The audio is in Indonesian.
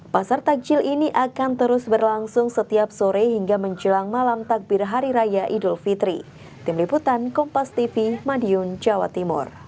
pasar takjil ini akan terus berlangsung setiap sore hingga menjelang malam takbir hari raya idul fitri